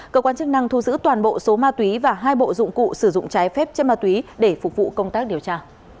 cơ quan chức năng thu giữ toàn bộ số ma túy và hai bộ dụng cụ sử dụng trái phép chất ma túy để phục vụ công tác điều tra